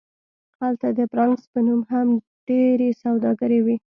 هلته د فرانکس په نوم هم ډیرې سوداګرۍ وې